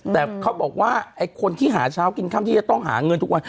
แต่เขาบอกว่าไอ้คนที่หาเช้ากินค่ำที่จะต้องหาเงินทุกวัน